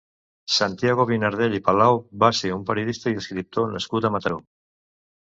Santiago Vinardell i Palau va ser un periodista i escriptor nascut a Mataró.